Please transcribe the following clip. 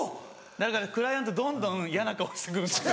だからクライアントどんどん嫌な顔して来るんですよ。